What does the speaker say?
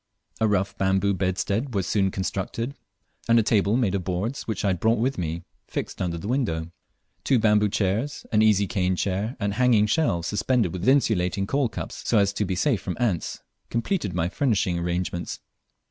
A rough bamboo bedstead was soon constructed, and a table made of boards which I had brought with me, fixed under the window. Two bamboo chairs, an easy cane chair, and hanging shelves suspended with insulating oil cups, so as to be safe from ants, completed my furnishing arrangements.